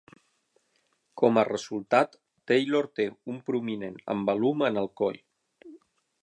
Com a resultat, Taylor té un prominent embalum en el coll.